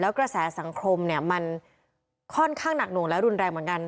กระแสสังคมเนี่ยมันค่อนข้างหนักหน่วงและรุนแรงเหมือนกัน